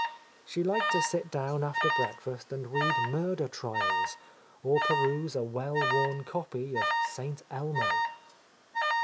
She liked to sit down after —29— A Lost Lady breakfast and read murder trials, or peruse a well worn copy of "St. Elmo."